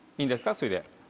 それで。